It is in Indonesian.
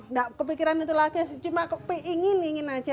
nggak kepikiran itu lagi cuma ingin ingin aja